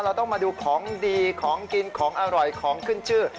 เราต้องมาดูของดีของกินของอร่อยของขึ้นชื่อ